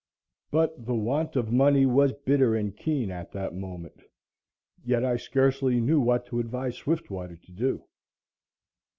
But the want of money was bitter and keen at that moment. Yet I scarcely knew what to advise Swiftwater to do.